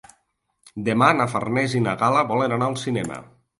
Demà na Farners i na Gal·la volen anar al cinema.